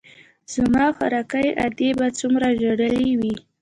زما خواركۍ ادې به څومره ژړلي وي.